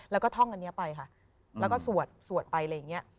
แล้วก็ท่องอันนี้ไปค่ะแล้วก็สวดสวดไปอะไรอย่างนี้